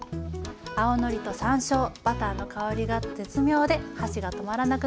青のりと山椒バターの香りが絶妙で箸が止まらなくなりますよ！